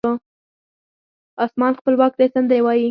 اسمان خپلواک دی سندرې وایې